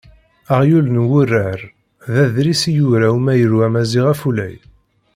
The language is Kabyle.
"Aɣyul n wuṛeɣ" d adlis i yura umyaru amaziɣ Afulay.